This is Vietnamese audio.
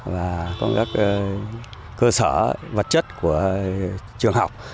và các cơ sở vật chất của trường học